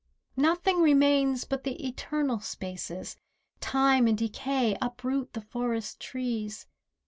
Nothing remains but the Eternal Spaces, Time and decay uproot the forest trees.